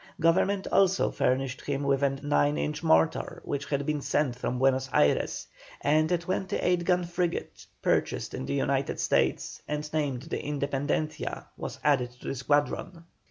Government also furnished him with a nine inch mortar which had been sent from Buenos Ayres, and a 28 gun frigate, purchased in the United States and named the Independencia, was added to the squadron.